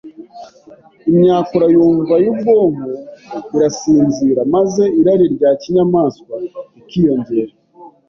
Imyakura yumva y’ubwonko irasinzira, maze irari rya kinyamaswa rikiyongera,